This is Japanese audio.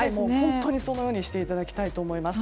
本当にそのようにしていただきたいと思います。